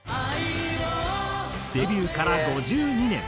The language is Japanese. デビューから５２年。